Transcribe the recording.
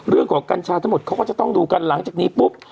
กัญชาทั้งหมดเขาก็จะต้องดูกันหลังจากนี้ปุ๊บ